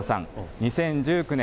２０１９年、